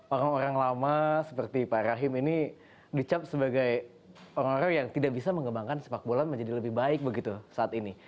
orang orang lama seperti pak rahim ini dicap sebagai orang orang yang tidak bisa mengembangkan sepak bola menjadi lebih baik begitu saat ini